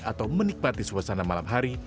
atau menikmati suasana malam hari